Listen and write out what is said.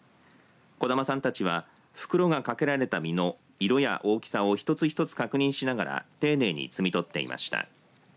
児玉さんたちは袋がかけられた実の色や大きさを一つ一つ確認しながら丁寧に摘み取っていました。